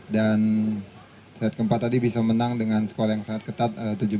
dan set keempat tadi bisa menang dengan skor yang sangat ketat tujuh belas lima belas